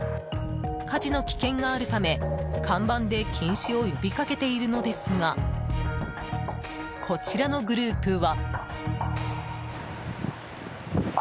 火事の危険があるため、看板で禁止を呼びかけているのですがこちらのグループは。